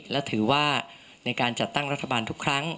และถือว่าในการจัดตั้งรัฐบาลทุกครั้ง